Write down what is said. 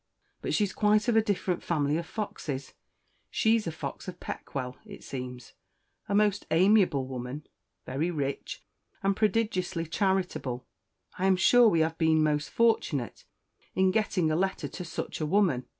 But she's quite of a different family of Foxes: she's a Fox of Peckwell, it seems a most amiable woman, very rich, and prodigiously charitable. I am sure we have been most fortunate in getting a letter to such a woman."